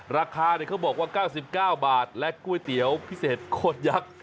ราคาเขาบอกว่า๙๙บาทและก๋วยเตี๋ยวพิเศษโคตรยักษ์